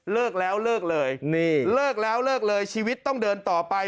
เลิกแล้วเลิกเลยนี่เลิกแล้วเลิกเลยชีวิตต้องเดินต่อไป